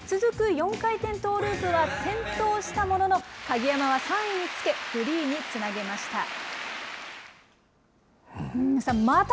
４回転トーループは転倒したものの、鍵山は３位につけ、フリーにつなげました。